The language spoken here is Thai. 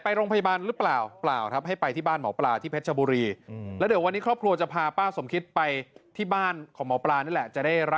ไปโรงพยาบาลหรือเปล่าเปล่าครับให้ไปที่บ้านหมอปลา